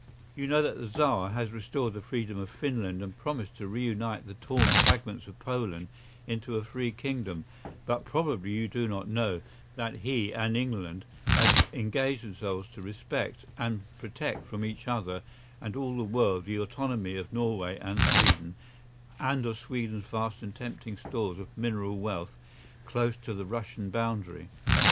You know that the Tsar has restored the freedom of Finland and promised to re unite the torn fragments of Poland into a free kingdom, but probably you do not know that he and England have engaged themselves to respect and protect from each other and all the world the autonomy of Norway and Sweden, and of Sweden's vast and tempting stores of mineral wealth close to the Russian boundary.